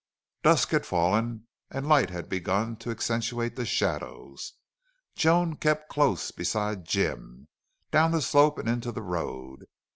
Dusk had fallen and lights had begun to accentuate the shadows. Joan kept close beside Jim, down the slope, and into the road.